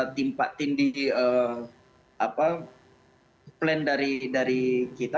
itu timpatin di plan dari kita